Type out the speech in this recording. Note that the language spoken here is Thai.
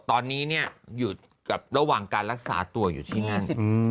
ตอนนี้อยู่กับระหว่างการรักษาตัวอยู่ที่นั่น